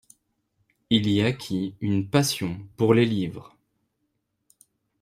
Il y acquit une passion pour les livres.